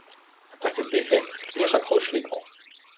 Après cette défaite, il raccroche les gants.